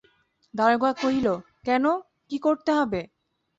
দারোগা কহিল, কেন, কী করতে হবে?